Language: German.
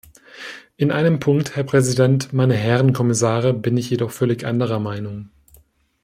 In einem Punkt, Herr Präsident, meine Herren Kommissare, bin ich jedoch völlig anderer Meinung.